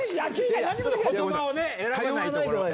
言葉を選ばないとこれは。